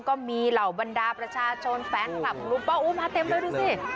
ก็มีเหล่าบรรดาประชาชนแฟนคลับของลุงป้าอู้มาเต็มเลยดูสิ